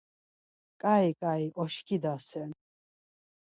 Ǩai ǩai oşkidasen.